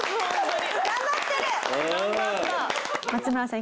松村さん